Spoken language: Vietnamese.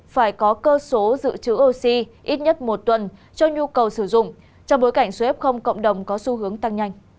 phải có cơ số dự trữ oxy ít nhất một tuần cho nhu cầu sử dụng trong bối cảnh cf cộng đồng có xu hướng tăng nhanh